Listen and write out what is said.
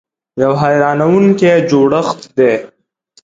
یو حیرانونکی جوړښت دی .